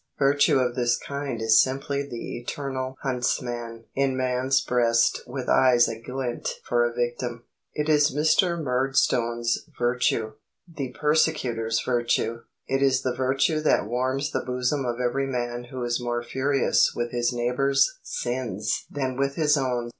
Virtue of this kind is simply the eternal huntsman in man's breast with eyes aglint for a victim. It is Mr Murdstone's virtue the persecutor's virtue. It is the virtue that warms the bosom of every man who is more furious with his neighbour's sins than with his own.